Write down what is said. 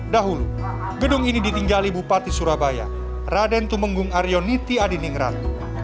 dahulu gedung ini ditinggali bupati surabaya raden tumenggung aryoniti adiningran